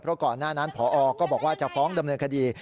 เพราะก่อนหน้านั้นพอก็บอกว่าจะฟ้องดำเนินคดี